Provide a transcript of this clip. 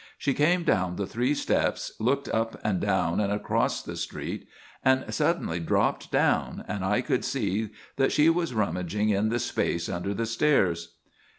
She came down the three steps, looked up and down and across the street, and suddenly dropped down and I could see that she was rummaging in the space under the stairs.